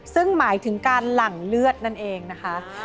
ซึ่งหมายถึงการหลั่งเลือดนั่นเองนะคะ